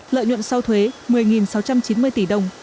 lợi nhuận sau thuế một mươi sáu trăm chín mươi tỷ đồng